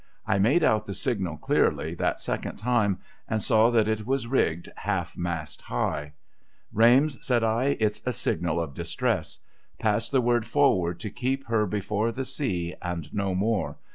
I made out the signal clearly, that second time, and saw that it was rigged half mast high. ' Rames,' says I, ' it's a signal of distress. Pass the word forward to keep her before the sea, and no more.